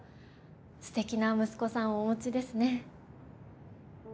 すてきな息子さんをお持ちですね。